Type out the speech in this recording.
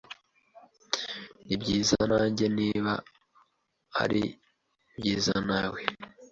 Nibyiza nanjye niba ari byiza nawe.